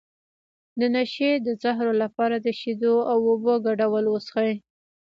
د نشې د زهرو لپاره د شیدو او اوبو ګډول وڅښئ